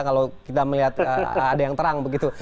kalau kita melihat ada yang terang begitu